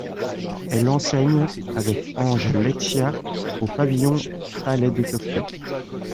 Elle enseigne avec Ange Leccia au Pavillon Palais de Tokyo.